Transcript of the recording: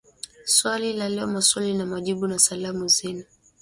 Swali la Leo Maswali na Majibu na Salamu Zenu